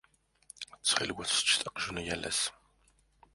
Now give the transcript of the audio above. Ttxil-wet sseččet aqjun yal ass.